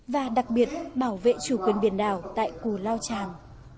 và đặc biệt bảo vệ chủ quyền biển đảo tại cù lao tràng